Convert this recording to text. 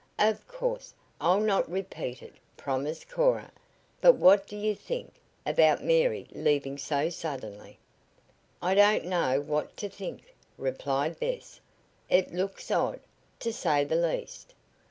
"Of course, I'll not repeat it," promised Cora. "But what do you think about Mary leaving so suddenly?" "I don't know what to think," replied Bess. "It looks odd, to say the least.